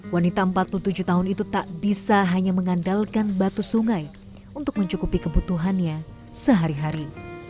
wanita empat puluh tujuh tahun itu tak bisa hanya mengandalkan batu sungai untuk mencukupi kebutuhannya sehari hari